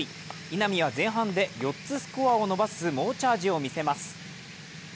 稲見は前半で４つスコアを伸ばす猛チャージを見せます。